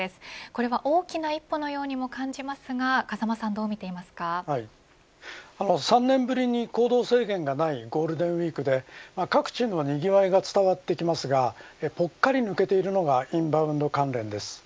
これは大きな一歩のようにも感じますが、風間さん３年ぶりに行動制限がないゴールデンウイークで各地のにぎわいが伝わってきますがぽっかり抜けているのがインバウンド関連です。